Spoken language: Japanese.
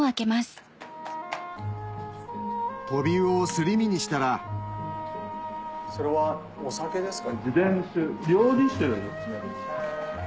トビウオをすり身にしたらそれはお酒ですか？